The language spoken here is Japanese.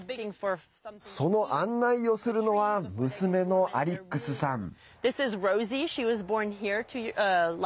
その案内をするのは娘のアリックスさん。